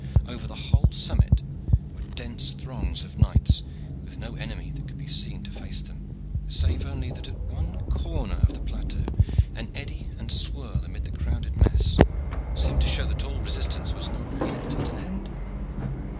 Over the whole summit were dense throngs of knights, with no enemy that could be seen to face them, save only that at one corner of the plateau an eddy and swirl amid the crowded mass seemed to show that all resistance was not yet at an end.